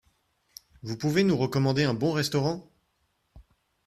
Vous pouvez nous recommander un bon restaurant ?